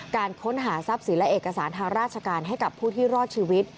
การค้นหาทรัพย์สินและเอกสารทางราชการให้กับผู้ที่รอดชีวิต